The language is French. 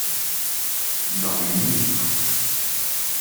Dans mes murs.